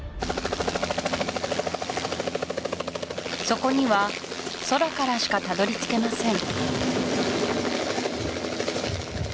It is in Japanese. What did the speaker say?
そこには空からしかたどり着けません